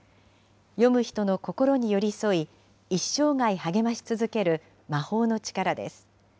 読む人の心に寄り添い、一生涯励まし続ける魔法の力です。